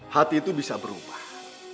hati itu bisa berubah